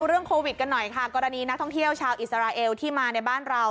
เรื่องโควิดกันหน่อยค่ะกรณีนักท่องเที่ยวชาวอิสราเอลที่มาในบ้านเรา